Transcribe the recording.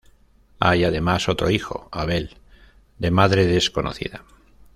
Hay además otro hijo: Abel, de madre desconocida.